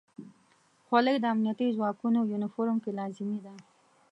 خولۍ د امنیتي ځواکونو یونیفورم کې لازمي ده.